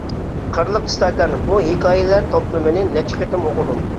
«قىرلىق ئىستاكان» بۇ ھېكايىلەر توپلىمىنى نەچچە قېتىم ئوقۇدۇم.